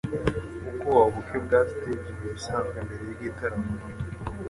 Ubwoba buke bwa stage nibisanzwe mbere yigitaramo.